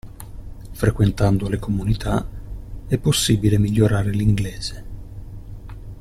Frequentando le comunità è possibile migliorare l'inglese.